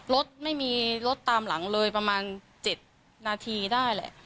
รถไม่มีรถตามหลังเลยประมาณ๗นาทีได้แหละ